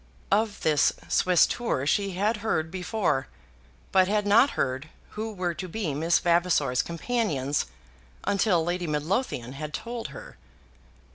Of this Swiss tour she had heard before, but had not heard who were to be Miss Vavasor's companions until Lady Midlothian had told her.